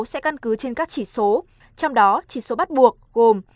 sẽ căn cứ trên các chỉ số trong đó chỉ số bắt buộc gồm